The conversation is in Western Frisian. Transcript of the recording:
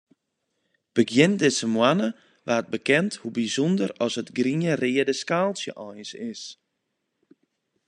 Begjin dizze moanne waard bekend hoe bysûnder as it grien-reade skaaltsje eins is.